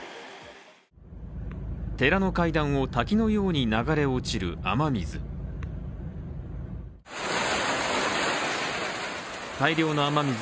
寺の階段を滝のように流れ落ちる雨水。